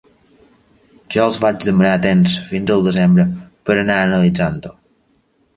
Jo els vaig demanar temps fins al desembre per anar analitzant-ho.